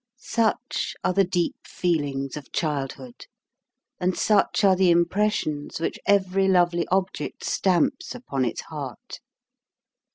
Such are the deep feelings of childhood, and such are the impressions which every lovely object stamps upon its heart